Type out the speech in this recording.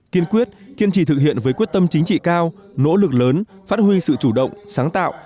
kiên quyết kiên trì thực hiện với quyết tâm chính trị cao nỗ lực lớn phát huy sự chủ động sáng tạo